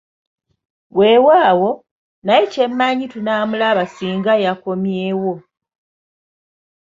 Weewaawo, naye kye mmanyi tanamulaba ssinga yaakomyewo.